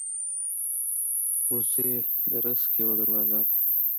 وزې د رزق یوه دروازه ده